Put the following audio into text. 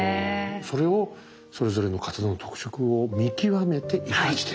それをそれぞれの刀の特色を見極めて生かしてと。